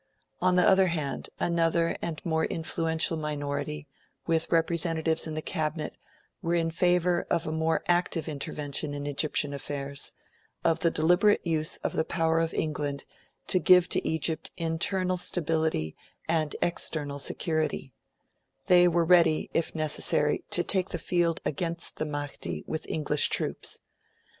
On the other hand, another and a more influential minority, with representatives in the Cabinet, were in favour of a more active intervention in Egyptian affairs of the deliberate use of the power of England to give to Egypt internal stability and external security; they were ready, if necessary, to take the field against the Mahdi with English troops.